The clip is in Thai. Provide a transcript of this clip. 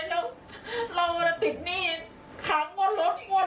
ก็คือเราก็ตายแล้วค่ะติดการติดการเลยแล้วเราติดหนี้ขังวนรถ